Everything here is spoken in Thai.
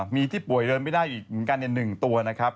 มีที่ป่วยเริ่มไม่ได้อยู่กันเนี่ย๑ตัวนะครับ